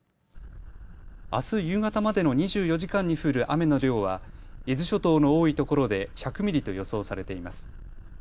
あす夕方までの２４時間に降る雨の量は伊豆諸島の多いところで１００ミリと予想されています。